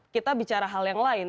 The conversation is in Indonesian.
kita bicara hal yang lain